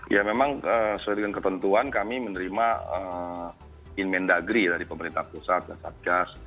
ya memang seluruh ketentuan kami menerima in main degree dari pemerintah pusat dan satgas